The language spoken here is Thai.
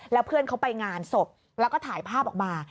แล้วเพื่อนเขาไปงานศพแล้วก็ถ่ายภาพออกมา